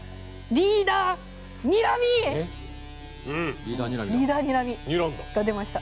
リーダーにらみが出ました。